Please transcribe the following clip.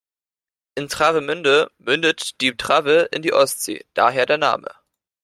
In Travemünde mündet die Trave in die Ostsee, daher der Name.